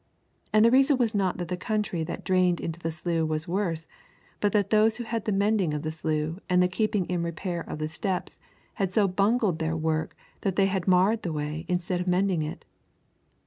And the reason was not that the country that drained into the slough was worse, but that those who had the mending of the slough and the keeping in repair of the steps had so bungled their work that they had marred the way instead of mending it.